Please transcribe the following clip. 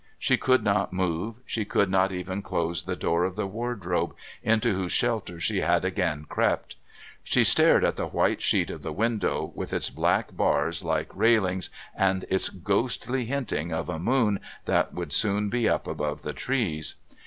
She could not move; she could not even close the door of the wardrobe, into whose shelter she had again crept. She stared at the white sheet of the window, with its black bars like railings and its ghostly hinting of a moon that would soon be up above the trees.